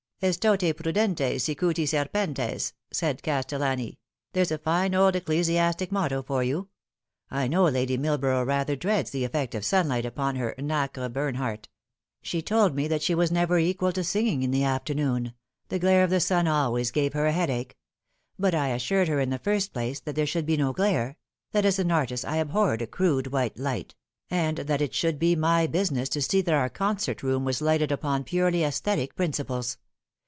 " Extote prudentes sicuti serpentes" said Castellani. " There's a fine old ecclesiastic's motto for you. I know Lady Millborough rather dreads the effect of sunlight upon her nacre Berrihardt. She told me that she was never equal to singing in the after noon : the glare of the sun always gave her a headache. But I assured her in the first place that there should be no glare that as an artist I abhorred a crude, white light and that it should be my business to see that our concert room was lighted upon purely assthetic principles.